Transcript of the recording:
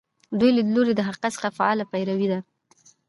دویم لیدلوری له حقیقت څخه فعاله پیروي ده.